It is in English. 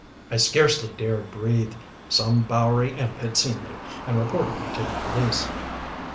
I scarcely dared breathe. Some Bowery imp had seen me, and reported me to the police.